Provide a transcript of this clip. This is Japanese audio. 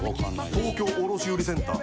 東京卸売センター